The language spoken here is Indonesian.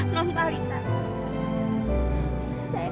non tali tak butuh saran saya